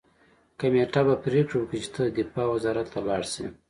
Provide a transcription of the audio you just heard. کمېټه به پریکړه وکړي چې ته دفاع وزارت ته لاړ شې